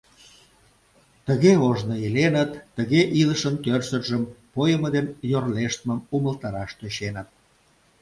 Тыге ожно иленыт, тыге илышын тӧрсыржым, пойымо ден йорлештмым умылтараш тӧченыт.